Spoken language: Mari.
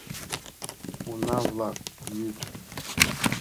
Уна-влак йӱыт.